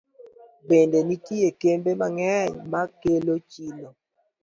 Bende nitie kembe mang'eny ma kelo chilo.